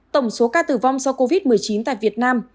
tổng số ca tử vong do covid một mươi chín tại việt nam